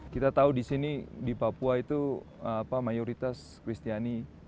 kita tahu di papua ini mayoritas orang ini adalah kristiani